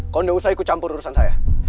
kalau tidak usah ikut campur urusan saya